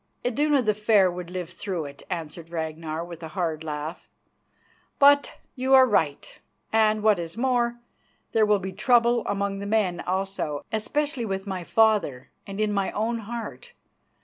"Iduna the Fair would live through it," answered Ragnar, with a hard laugh. "But you are right; and, what is more, there will be trouble among the men also, especially with my father and in my own heart.